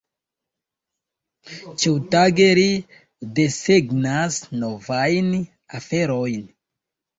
Ĉiutage, ri desegnas novajn aferojn.